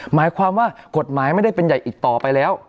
หมายความว่ากฎหมายไม่ได้เป็นใหญ่อีกต่อไปแล้ว